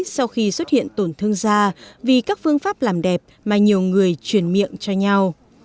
sau khi xuất hiện tổn thương da vì các phương pháp làm đẹp mà nhiều người chuyển miệng cho nhau